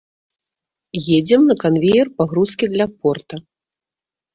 Едзем на канвеер пагрузкі для порта.